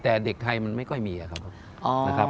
แต่เด็กไทยมันไม่ค่อยมีครับ